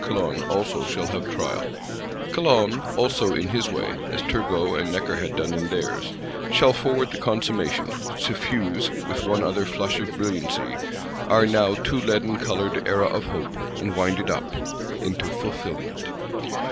Calonne also shall have trial; Calonne also, in his way, as Turgot and Necker had done in theirs, shall forward the consummation; suffuse, with one other flush of brilliancy, our now too leaden coloured Era of Hope, and wind it up—into fulfilment.